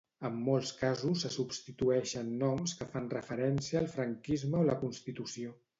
En molts casos se substitueixen noms que fan referència al franquisme o la Constitució.